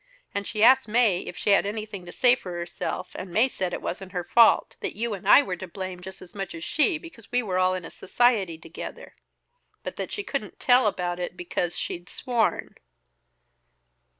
And she asked Mae if she had anything to say for herself, and Mae said it wasn't her fault. That you and I were to blame just as much as she, because we were all in a society together, but that she couldn't tell about it because she'd sworn."